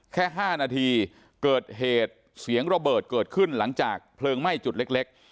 แค่๕นาทีเกิดเหตุเสียงระเบิดเกิดขึ้นหลังจากเพลิงไหม้จุดเล็ก